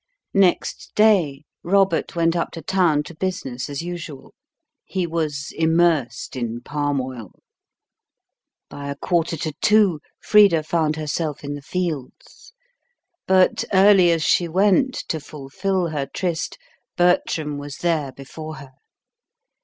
Next day, Robert went up to town to business as usual. He was immersed in palm oil. By a quarter to two, Frida found herself in the fields. But, early as she went to fulfil her tryst, Bertram was there before her.